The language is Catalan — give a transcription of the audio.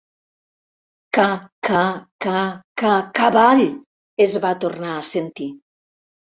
Ca, ca, ca, ca, cavall! —es va tornar a sentir.